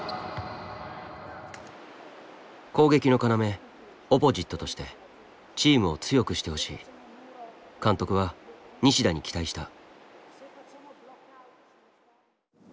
攻撃の要「オポジット」としてチームを強くしてほしい監督は西田に期待した。